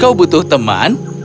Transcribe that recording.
kau butuh teman